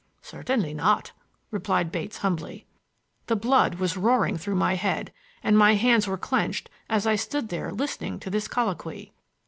"Certainly not," replied Bates humbly. The blood was roaring through my head, and my hands were clenched as I stood there listening to this colloquy.